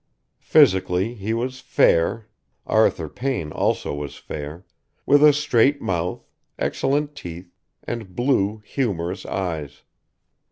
Physically he was fair (Arthur Payne also was fair), with a straight mouth, excellent teeth, and blue, humorous eyes.